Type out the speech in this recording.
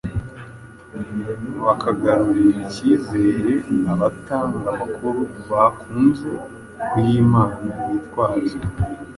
bakagarurira ikizere abatanga amakuru, bakunze kuyimana bitwaza